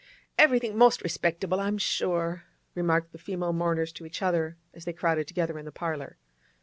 'Everythink most respectable, I'm sure!' remarked the female mourners to each other, as they crowded together in the parlour.